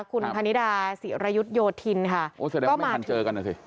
คุณพะนีดาศรียุโยธินค่ะ